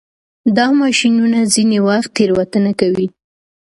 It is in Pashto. دا ماشینونه ځینې وخت تېروتنه کوي.